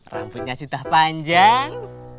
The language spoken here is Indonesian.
rambutnya sudah panjang